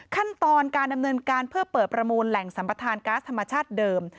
ขั้นตอนการดำเนินการเพื่อเปิดประมูลแหล่งสัมปทานก๊าซธรรมชาติเดิม